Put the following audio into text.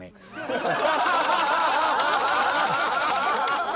ハハハハ。